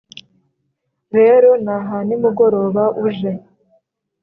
rero naha nimugoroba uje